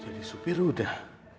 jadi supir udah